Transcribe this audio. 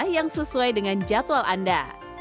yang sesuai dengan jadwal anda